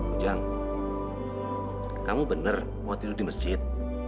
ujang kamu benar mau tidur di masjid